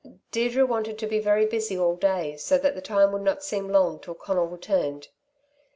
Deirdre wanted to be very busy all day so that the time would not seem long till Conal returned.